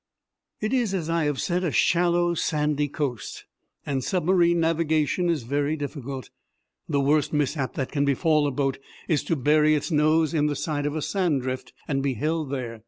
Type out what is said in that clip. It is, as I have said, a shallow sandy coast, and submarine navigation is very difficult. The worst mishap that can befall a boat is to bury its nose in the side of a sand drift and be held there.